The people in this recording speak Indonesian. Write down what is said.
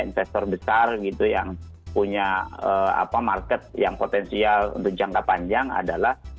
investor besar gitu yang punya market yang potensial untuk jangka panjang adalah